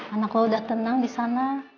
anak lo udah tenang di sana